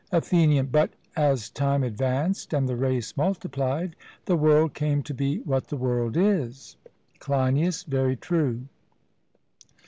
ATHENIAN: But, as time advanced and the race multiplied, the world came to be what the world is. CLEINIAS: Very true.